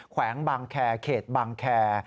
แขวงบางแคร์เขตบางแคร์